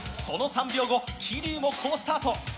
その３秒後、桐生も好スタート。